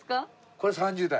これ３０代。